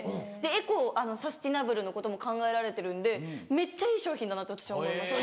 エコサステナブルのことも考えられてるんでめっちゃいい商品だなと私は思います。